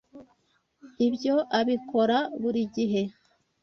Ibyo abikora buri gihe.